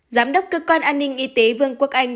giám đốc cơ quan an ninh y tế vương quốc anh